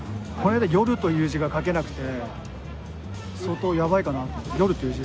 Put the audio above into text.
この間夜という字が書けなくて相当やばいかなと。